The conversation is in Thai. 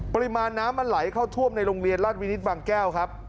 ปริมาณน้ำมันไหลเข้าท่วมในโรงเรียนราชวินิตบางแก้วครับ